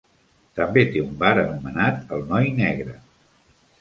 També té un bar anomenat "El noi negre".